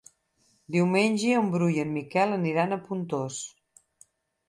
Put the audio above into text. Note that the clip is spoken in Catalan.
Diumenge en Bru i en Miquel aniran a Pontós.